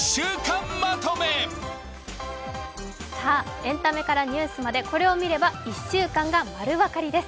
エンタメからニュースまで、これを見れば１週間が丸わかりです。